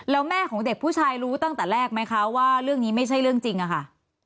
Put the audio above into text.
แล้วแม่ของเด็กผู้ชายรู้ตั้งแต่แรกไหมคะว่าเรื่องนี้ไม่ใช่เรื่องจริงอะค่ะ